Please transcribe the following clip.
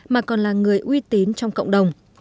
mà còn là người uy tín trong cộng đồng